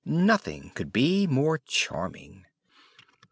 Nothing could be more charming.